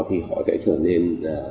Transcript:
thì họ sẽ trở nên